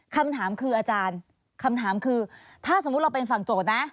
คำถามคืออาจารย์คำถามคือถ้าสมมุติเราเป็นฝั่งโจทย์นะ